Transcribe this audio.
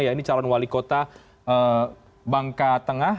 ya ini calon wali kota bangkang